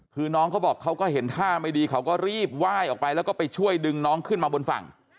คือน้องเขาบอกเขาก็เห็นท่าไม่ดีเขาก็รีบไหว้ออกไปแล้วก็ไปช่วยดึงน้องขึ้นมาบนฝั่ง